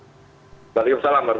selamat sore assalamu'alaikum